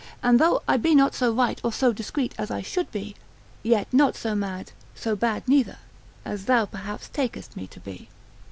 And though I be not so right or so discreet as I should be, yet not so mad, so bad neither, as thou perhaps takest me to be.